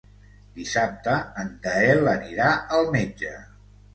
Dissabte en Gaël anirà al metge.